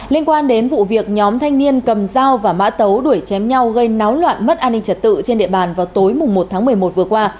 liên quan đến vụ việc nhóm thanh niên cầm dao và mã tấu đuổi chém nhau gây náo loạn mất an ninh trật tự trên địa bàn vào tối một tháng một mươi một vừa qua